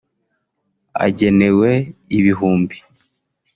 agenewe ibihumbi)